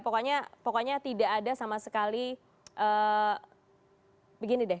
pokoknya tidak ada sama sekali begini deh